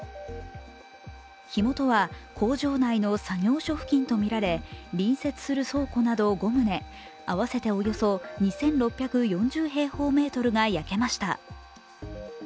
火元は工場内の作業所付近とみられ、隣接する倉庫など５棟、合わせておよそ２６４０平方メートルが焼けました。